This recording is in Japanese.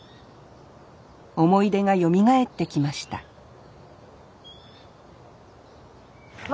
思い出がよみがえってきましたわ